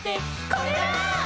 「これだー！」